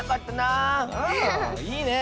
あいいね。